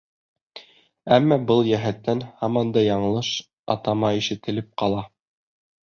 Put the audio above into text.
Әммә был йәһәттән һаман да яңылыш атама ишетелеп ҡала.